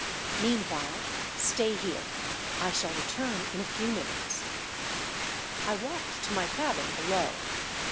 Meanwhile, stay here. I shall return in a few minutes." I walked to my cabin below.